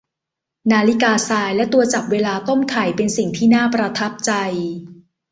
นาฬิกาทรายและตัวจับเวลาต้มไข่เป็นสิ่งที่น่าประทับใจ